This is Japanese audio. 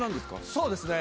そうですね。